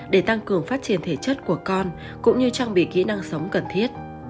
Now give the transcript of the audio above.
để tăng cường phát triển thể chất của con cũng như trang bị kỹ năng sống cần thiết